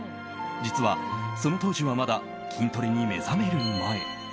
実は、その当時はまだ筋トレに目覚める前。